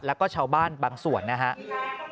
แล้วก็ชาวบ้านบางส่วนนะครับ